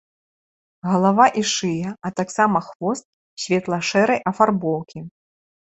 Галава і шыя, а таксама хвост светла-шэрай афарбоўкі.